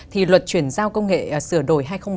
thì luật chuyển giao công nghệ sửa đổi hai nghìn một mươi